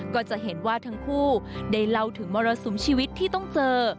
ก็จะเห็นว่าทั้งคู่ได้เล่าถึงมรสุมชีวิตที่ต้องเจอ